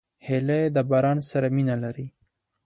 هیلۍ د باران سره مینه لري